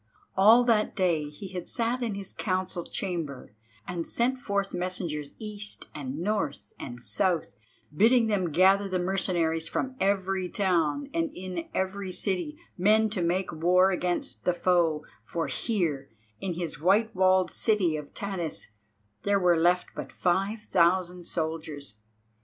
All that day he had sat in his council chamber, and sent forth messengers east and north and south, bidding them gather the mercenaries from every town and in every city, men to make war against the foe, for here, in his white walled city of Tanis, there were left but five thousand soldiers.